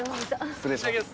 失礼します。